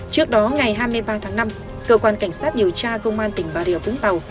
trước đó ngày hai mươi ba tháng năm cơ quan cảnh sát điều tra công an tỉnh bà rịa vũng tàu